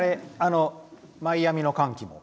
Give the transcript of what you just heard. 「マイアミの歓喜」も？